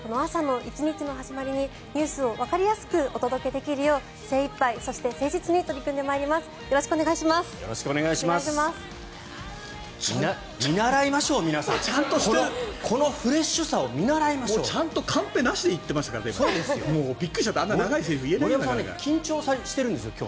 朝の１日の始まりにニュースをわかりやすくお届けできるよう精いっぱいそして誠実に取り組んでまいります。